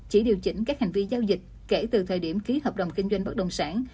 hành vi giao dịch kể từ thời điểm ký hợp đồng kinh doanh bất đồng sản